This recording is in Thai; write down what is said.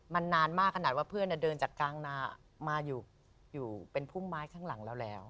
มันนานมากขนาดว่าเพื่อนเดินจากกลางนามาอยู่เป็นพุ่มไม้ข้างหลังเราแล้ว